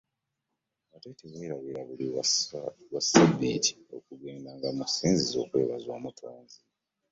Ate tewerabiranga buli lwa ssabbiiti okugenda mu ssinzizo okwebaza Omutonzi.